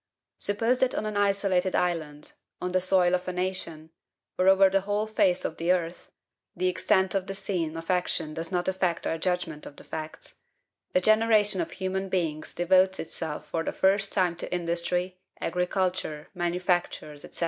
"Suppose that on an isolated island, on the soil of a nation, or over the whole face of the earth (the extent of the scene of action does not affect our judgment of the facts), a generation of human beings devotes itself for the first time to industry, agriculture, manufactures, &c.